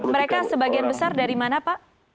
mereka sebagian besar dari mana pak